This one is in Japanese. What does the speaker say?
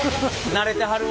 慣れてはる。